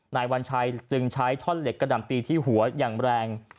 นายวัญชัยจึงใช้ท่อนเหล็กกระดำตีที่หัวอย่างแรง